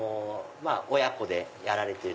親子でやられてる。